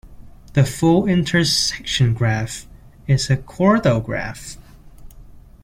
The full intersection graph is a chordal graph.